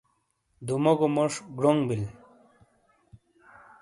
دوموگو موج گڑونگ بل